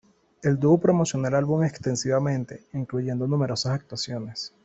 El dúo promocionó el álbum extensivamente, incluyendo numerosas actuaciones.